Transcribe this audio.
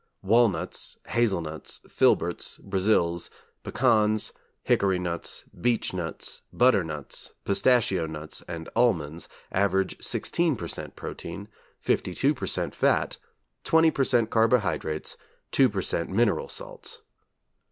Walnuts, Hazelnuts, Filberts, Brazils, Pecans, Hickory nuts, Beechnuts, Butternuts, Pistachio nuts and Almonds average 16 per cent. protein; 52 per cent. fat; 20 per cent. carbohydrates; 2 per cent. mineral salts.